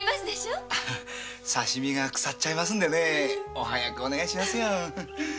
刺身がくさっちゃいますんでお早くお願いしますよ。